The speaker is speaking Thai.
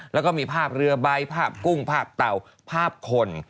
แล้วก็มีภาพเรือใบภาพกุ้งภาพเต่าภาพคน